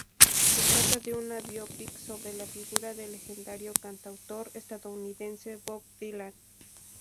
Se trata de una biopic sobre la figura del legendario cantautor estadounidense Bob Dylan.